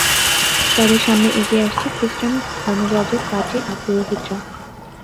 তাদের সামনে এগিয়ে আসছে খ্রিস্টান ধর্মযাজক, পাদ্রি আর পুরোহিতরা।